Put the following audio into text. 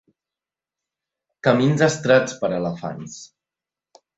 Camins estrets per a elefants.